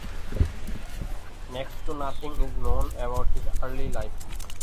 Next to nothing is known about his early life.